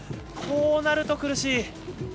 こうなると苦しい。